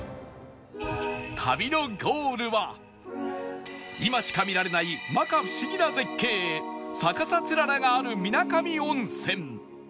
旅のゴールは今しか見られない摩訶不思議な絶景逆さつららがある水上温泉